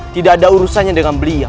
tidak ada urusannya dengan beliau